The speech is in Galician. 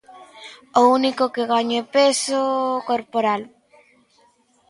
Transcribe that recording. O único que gaño é peso... corporal.